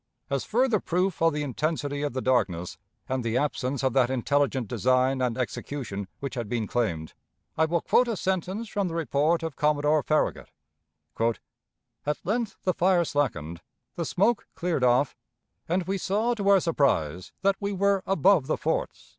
As further proof of the intensity of the darkness, and the absence of that intelligent design and execution which had been claimed, I will quote a sentence from the report of Commodore Farragut: "At length the fire slackened, the smoke cleared off, and we saw to our surprise that we were above the forts."